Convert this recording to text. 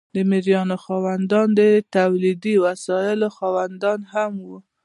د مرئیانو خاوندان د تولیدي وسایلو خاوندان هم وو.